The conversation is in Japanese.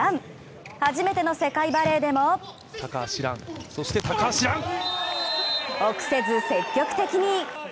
初めての世界バレーでも臆せず積極的に。